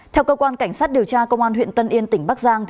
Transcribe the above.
theo cơ quan cảnh sát điều tra công an huyện tân yên tỉnh bắc giang